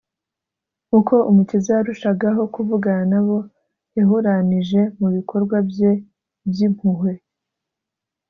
uko Umukiza yarushagaho kuvugana nabo yahuranije mu bikorwa Bye by’impuhwe